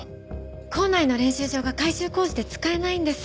校内の練習場が改修工事で使えないんです。